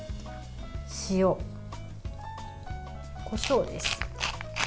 塩、こしょうです。